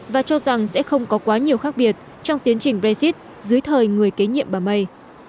và cho rằng sẽ không có quá nhiều khác biệt trong tiến trình brexit dưới thời người kế nhiệm bà may